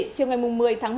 chiều ngày một mươi tháng một